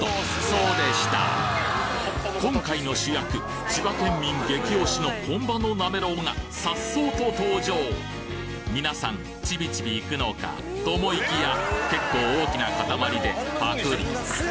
そうでした今回の主役千葉県民激推しの本場のなめろうが颯爽と登場みなさんちびちびいくのかと思いきや結構大きな塊でパクリ！